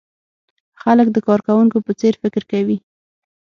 خلک د کارکوونکو په څېر فکر کوي.